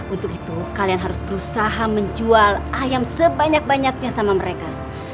untuk itu kalian harus berusaha menjual ayam sebanyak banyaknya sama mereka